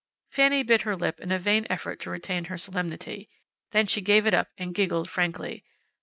Fanny bit her lip in a vain effort to retain her solemnity. Then she gave it up and giggled, frankly.